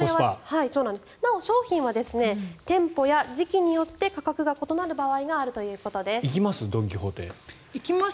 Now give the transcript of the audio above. なお、商品は店舗や時期によって価格が異なる場合が行きます？